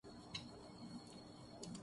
معلوم ہوتا ہے